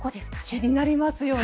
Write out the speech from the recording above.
気になりますよね。